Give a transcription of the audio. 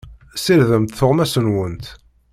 Ssirdemt tuɣmas-nwent.